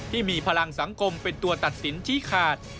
ที่มีพลังสังคมเป็นตัวตัดสินชี้ขาด